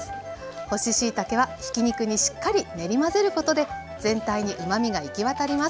干ししいたけはひき肉にしっかり練り混ぜることで全体にうまみが行き渡ります。